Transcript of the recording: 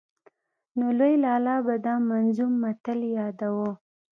نو لوی لالا به دا منظوم متل ياداوه.